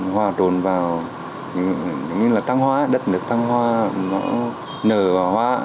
hoa trồn vào đất nước tăng hoa nở hoa